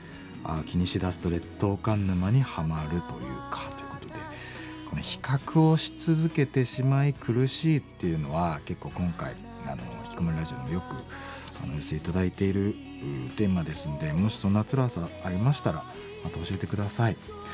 気にしだすと劣等感沼にはまるというか」ということで比較をし続けてしまい苦しいっていうのは結構今回「ひきこもりラジオ」でもよくお寄せ頂いているテーマですのでもしそんなつらさありましたらまた教えて下さい。